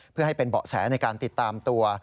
เพื่อให้เป็นเบาะแสในการติดตามตัว